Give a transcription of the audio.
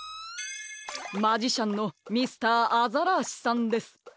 マジシャンのミスターアザラーシさんです。